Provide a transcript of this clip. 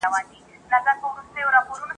بس دښمن مي د خپل ځان یم !.